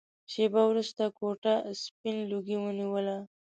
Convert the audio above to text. شېبه وروسته کوټه سپين لوګي ونيوله.